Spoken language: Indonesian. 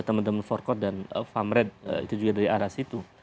teman teman forkot dan famret itu juga dari arah situ